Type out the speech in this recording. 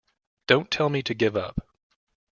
Don't tell me to give up.